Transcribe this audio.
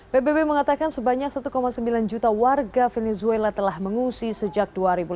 pbb mengatakan sebanyak satu sembilan juta warga venezuela telah mengungsi sejak dua ribu lima belas